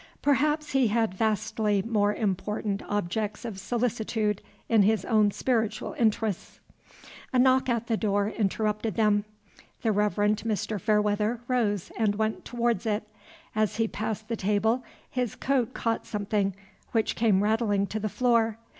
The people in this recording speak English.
Perhaps he had vastly more important objects of solicitude in his own spiritual interests. A knock at the door interrupted them. The Reverend Mr. Fairweather rose and went towards it. As he passed the table, his coat caught something, which came rattling to the floor.